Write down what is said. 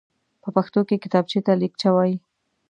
په پښتو کې کتابچېته ليکچه وايي.